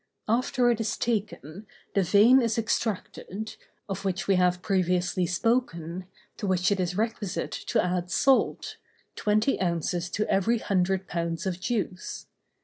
After it is taken, the vein is extracted, of which we have previously spoken, to which it is requisite to add salt, twenty ounces to every hundred pounds of juice.